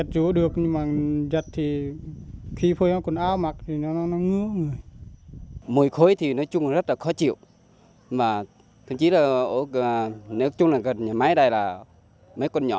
nước có mùi hôi thối thì nói chung là rất là khó chịu nói chung là gần nhà máy đây là mấy con nhỏ